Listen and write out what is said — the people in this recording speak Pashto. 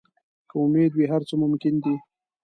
که امید وي، هر څه ممکن دي.